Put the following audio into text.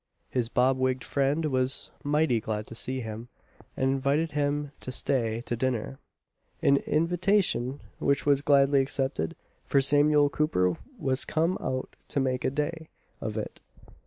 His bob wigg'd friend was mighty glad to see him, and invited him to stay to dinner; an invitation which was gladly accepted, for Samuel Cooper was come out to make a day of it.